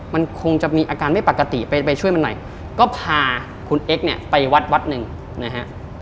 มันคงจะมีอาการไม่ปกติไปไปช่วยมันหน่อยก็พาคุณเอ็กซ์เนี่ยไปวัดวัดหนึ่งนะฮะ